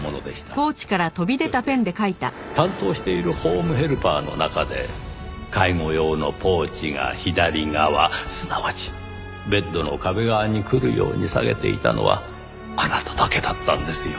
そして担当しているホームヘルパーの中で介護用のポーチが左側すなわちベッドの壁側にくるように下げていたのはあなただけだったんですよ。